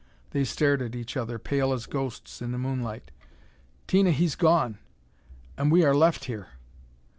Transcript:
They stared at each other, pale as ghosts in the moonlight. "Tina, he's gone. And we are left here!"